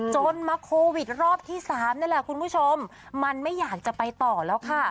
จนมาโควิดรอบที่๓นั่นแหละคุณผู้ชมมันไม่อยากจะไปต่อแล้วค่ะ